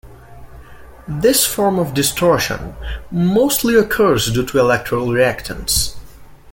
This form of distortion mostly occurs due to electrical reactance.